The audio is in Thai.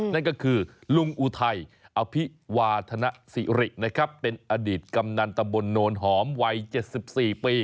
นั่นก็คือลุงอุทัยอภิวาธนสิรินะครับเป็นอดีตกำนันตำบลโนนหอมวัย๗๔ปี